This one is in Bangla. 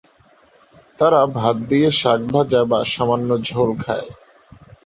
তারা ভাত দিয়ে শাক ভাজা বা সামান্য ঝোল খায়।